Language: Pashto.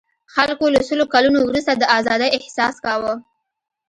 خلکو له سلو کلنو وروسته د آزادۍاحساس کاوه.